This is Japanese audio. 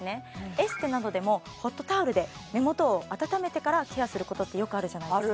エステなどでもホットタオルで目元を温めてからケアすることってよくあるじゃないですか